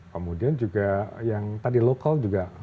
kemudian juga yang tadi lokal juga